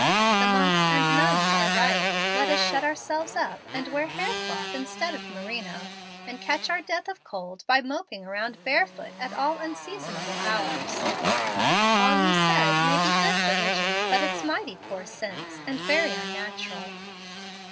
The monks and nuns are right. Let us shut ourselves up, and wear hair cloth instead of merino, and catch our death of cold by moping around bare foot at all unseasonable hours. All you said may be good religion, but it's mighty poor sense, and very unnatural."